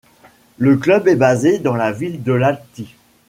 Le club est basé dans la ville de Lahti.